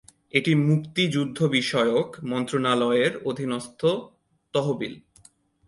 এটি মুক্তিযুদ্ধ বিষয়ক মন্ত্রণালয়ের অধীনস্থ তহবিল।